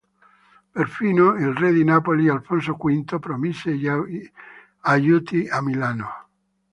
Perfino il re di Napoli, Alfonso V, promise aiuti a Milano.